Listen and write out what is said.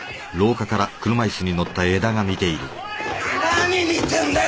何見てんだよ